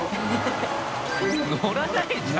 乗らないじゃん